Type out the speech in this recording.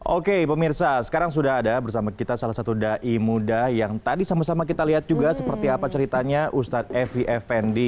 oke pemirsa sekarang sudah ada bersama kita salah satu dai muda yang tadi sama sama kita lihat juga seperti apa ceritanya ustadz evi effendi